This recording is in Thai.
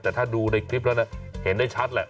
แต่ถ้าดูในคลิปแล้วเห็นได้ชัดแหละ